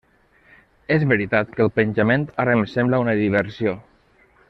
És veritat que el penjament ara em sembla una diversió.